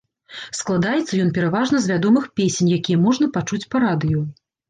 Складаецца ён пераважна з вядомых песень, якія можна пачуць па радыё.